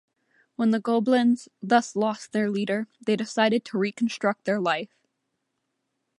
When the Gobelins thus lost their leader, they decided to reconstruct their life.